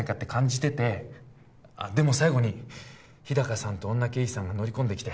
ててでも最後に日高さんと女刑事さんが乗り込んできて